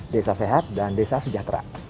desa sehat dan desa sejahtera